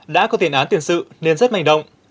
đã có tiền án tiền sự nên rất manh động